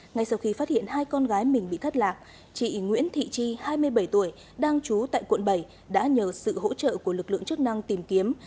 ngay sau khi phát hiện hai con gái mình bị thất lạc chị nguyễn thị chi hai mươi bảy tuổi đang trú tại quận bảy đã nhờ sự hỗ trợ của lực lượng chức năng tìm kiếm